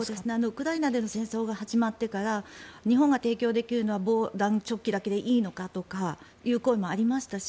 ウクライナでの戦争が始まってから日本が提供できるのは防弾チョッキだけでいいのかという声もありましたし